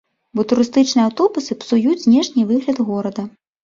Бо турыстычныя аўтобусы псуюць знешні выгляд горада.